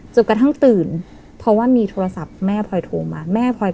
จนกระทั่งตื่นเพราะว่ามีโทรศัพท์แม่พลอยโทรมาแม่พลอย